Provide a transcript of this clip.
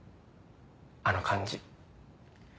あの感じ。